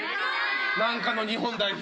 何かの日本代表。